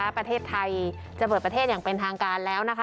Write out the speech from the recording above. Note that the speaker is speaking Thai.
ประเทศไทยจะเปิดประเทศอย่างเป็นทางการแล้วนะคะ